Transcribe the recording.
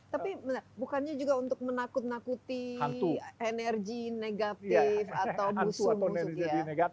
tapi bukannya juga untuk menakut nakuti energi negatif atau musuh musuh